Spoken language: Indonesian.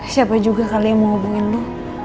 siapa juga kali yang mau hubungin dulu